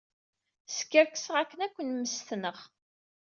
Skerkseɣ akken ad ken-mmestneɣ.